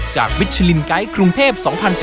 จากวิชลินไกด์กรุงเทพ๒๐๑๙